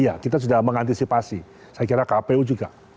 iya kita sudah mengantisipasi saya kira kpu juga